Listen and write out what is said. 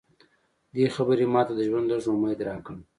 دې خبرې ماته د ژوند لږ امید راکړ